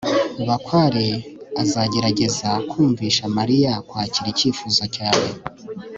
bakware azagerageza kumvisha mariya kwakira icyifuzo cyawe